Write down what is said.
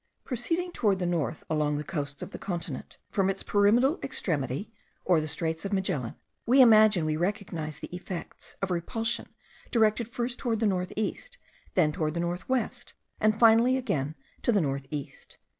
Proceeding toward the north along the Coasts of the New Continent, from its pyramidal extremity, or the Straits of Magellan, we imagine we recognise the effects of a repulsion directed first toward the north east, then toward the north west, and finally again to the north east.)